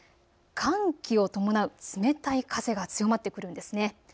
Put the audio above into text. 寒気を伴う冷たい風が強まってくるんですね。